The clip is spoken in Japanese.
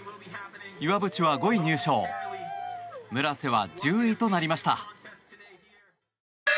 岩渕は５位入賞村瀬は１０位となりました。